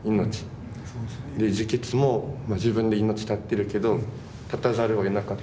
自決も自分で命絶ってるけど絶たざるをえなかった命。